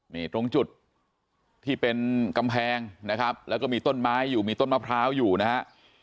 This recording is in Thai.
นี่ตรงจุดที่เป็นกำแพงนะครับแล้วก็มีต้นไม้อยู่มีต้นมะพร้าวอยู่นะฮะ